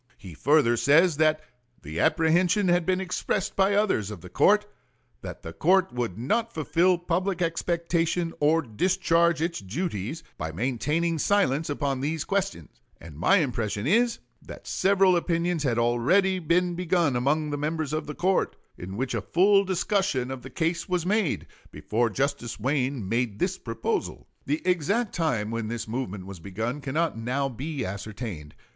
He further says that "the apprehension had been expressed by others of the court, that the court would not fulfill public expectation or discharge its duties by maintaining silence upon these questions; and my impression is, that several opinions had already been begun among the members of the court, in which a full discussion of the case was made, before Justice Wayne made this proposal." The exact time when this movement was begun cannot now be ascertained.